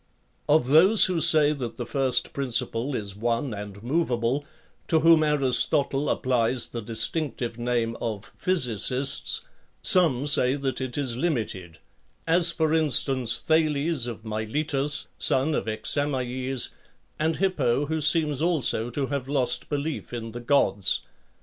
Of those who say that the first principle [apy7] is one and movable, to whom Aristotle applies the distinctive name of physicists, some say that it is limited; as, for instance, Thales of Miletos, son of Examyes, and Hippo who seems also to have lost belief in the gods.